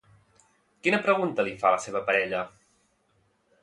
Quina pregunta li fa la seva parella?